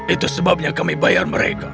itu sebabnya kami bayar mereka